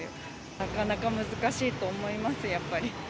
なかなか難しいと思います、やっぱり。